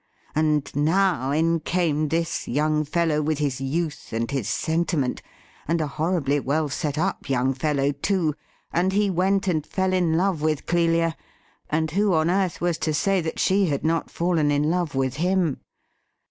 And now in came this young fellow with his youth and his sentiment — and a horribly well set up young fellow too — and he went and fell in love with Clelia, and who on earth was to say that she had not fallen in love with him